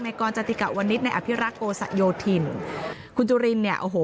กรจติกะวนิษฐ์ในอภิรักษ์โกสะโยธินคุณจุรินเนี่ยโอ้โห